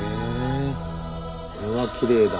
これはきれいだ。